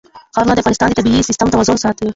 ښارونه د افغانستان د طبعي سیسټم توازن ساتي.